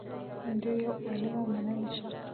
دی یو عالم او منلی شخص و